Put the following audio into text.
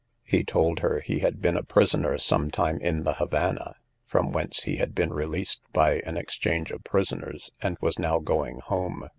He told her he had been a prisoner some time in the Havannah, from whence he had been released by an exchange of prisoners, and was now going home.